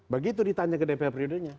begitu ditanya ke dpr periodenya